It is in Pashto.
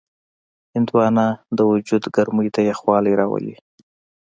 هندوانه د وجود ګرمۍ ته یخوالی راولي.